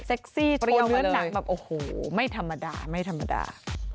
ซี่กินเนื้อหนังแบบโอ้โหไม่ธรรมดาไม่ธรรมดา